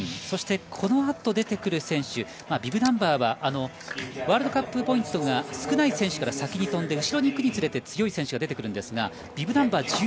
そして、この後出てくる選手ビブナンバーはワールドカップポイントが少ない選手から先に飛んで後ろにいくにつれて強い選手が出てくるんですがビブナンバー